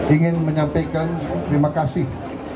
ingin menyampaikan terima kasih